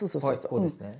はいこうですね。